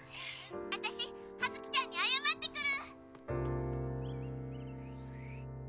私はづきちゃんに謝ってくる！」。